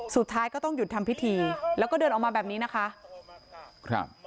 สุดท้ายก็ต้องหยุดทำพิธีแล้วก็เดินออกมาแบบนี้นะคะครับ